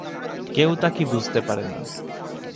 কেউ তাকে বুঝতে পারে না।